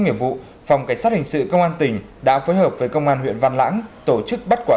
nghiệp vụ phòng cảnh sát hình sự công an tỉnh đã phối hợp với công an huyện văn lãng tổ chức bắt quả